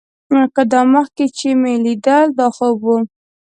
که دا مخکې چې مې ليدل دا خوب و.